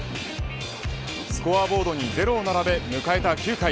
スコアボードにゼロを並べ迎えた９回。